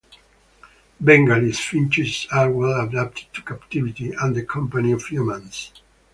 Bengalese finches are well adapted to captivity and the company of humans.